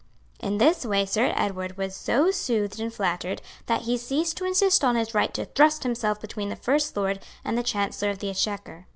In this way Sir Edward was so much soothed and flattered that he ceased to insist on his right to thrust himself between the First Lord and the Chancellor of the Exchequer.